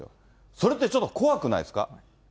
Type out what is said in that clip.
それってちょっと怖くないですか？